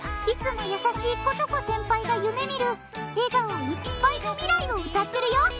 いつも優しいことこ先輩が夢みる笑顔いっぱいの未来を歌ってるよ。